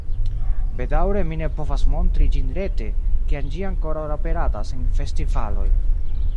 Bedaŭre mi ne povas montri ĝin rete, kiam ĝi ankoraŭ aperadas en festivaloj.